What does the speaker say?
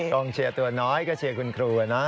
กองเชียร์ตัวน้อยก็เชียร์คุณครูนะ